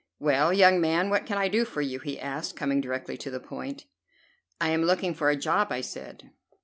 "Well, young man, what can I do for you?" he asked, coming directly to the point. "I am looking for a job," I said.